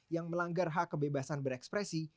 yang melanggar hak kebebasan berekspresi